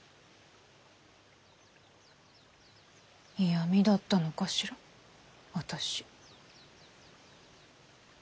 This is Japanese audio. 嫌みだったのかしら私。